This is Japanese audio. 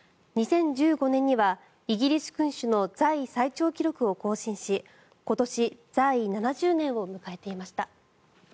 ２０１５年にはイギリス君主の在位最長記録を更新し今年在位７０年を迎えていました。